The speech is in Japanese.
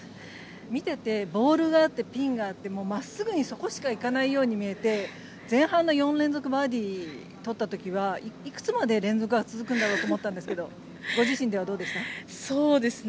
見ていてボールがあってピンがあってもう真っすぐにそこしか行かないように見えて前半の４連続バーディーを取った時はいくつまで連続が続くんだろうと思ったんですがご自身ではどうですか？